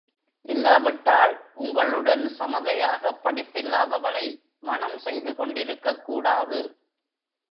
இல்லாவிட்டால், உங்களுடன் சமதையாகப் படிப்பில்லாதவளை மணம் செய்துகொண்டிருக்கக் கூடாது.